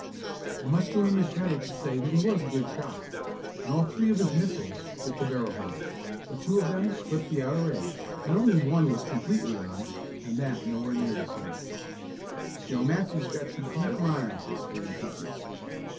I must do him the credit to say that he was a good shot, and all three of his missiles hit the barrel head. But two of them clipped the outer edge, and only one was completely on, and that nowhere near the centre. "Joe Matson's got you beat a mile!" exclaimed Peaches.